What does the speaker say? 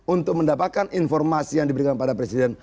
untuk mendapatkan informasi yang diberikan pada presiden